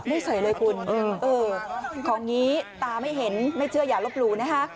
ไม่เฉยเลยคุณของนี้ตาไม่เห็นไม่เชื่ออย่าลบลูนะฮะ